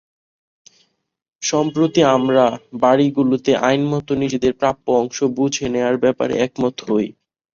সম্প্রতি আমরা বাড়িগুলোতে আইনমতো নিজেদের প্রাপ্য অংশ বুঝে নেওয়ার ব্যাপারে একমত হই।